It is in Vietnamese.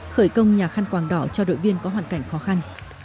khởi công nhà khăn quàng đỏ cho đội viên có hoàn cảnh khó khăn